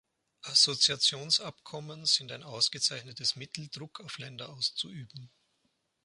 Assoziationsabkommen sind ein ausgezeichnetes Mittel, Druck auf Länder auszuüben.